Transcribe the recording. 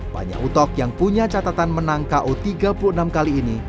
banyak utok yang punya catatan menang ko tiga puluh enam kali ini